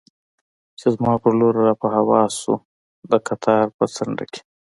چې زما پر لور را په هوا شو، د قطار په څنډه کې.